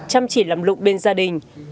chăm chỉ làm lụng bên gia đình